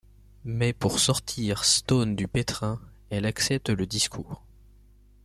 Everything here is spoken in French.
Mais pour sortir Stone du pétrin, elle accepte le discours.